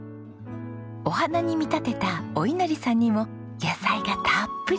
お花に見立てたお稲荷さんにも野菜がたっぷり。